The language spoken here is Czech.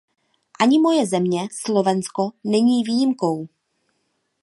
Ani moje země, Slovensko, není výjimkou.